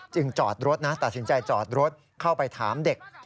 จอดรถนะตัดสินใจจอดรถเข้าไปถามเด็ก